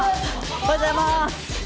おはようございます。